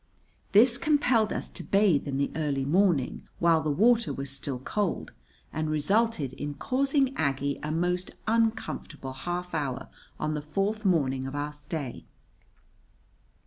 This compelled us to bathe in the early morning, while the water was still cold, and resulted in causing Aggie a most uncomfortable half hour on the fourth morning of our stay.